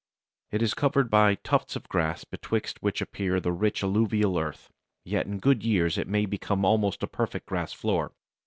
It is covered by tufts of grass betwixt which appears the rich alluvial earth, yet in good years it may become almost a perfect grass floor.